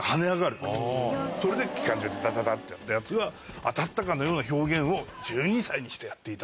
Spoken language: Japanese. それで機関銃でダダダってやったやつが当たったかのような表現を１２歳にしてやっていたと。